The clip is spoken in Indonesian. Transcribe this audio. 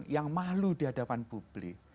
yang malu di hadapan publik